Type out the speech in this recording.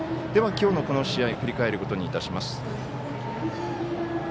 では、きょうのこの試合振り返ることにいたします。